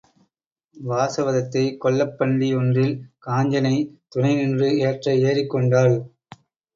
வாசவதத்தை கொல்லப்பண்டி ஒன்றில் காஞ்சனை துணை நின்று ஏற்ற ஏறிக்கொண்டாள்.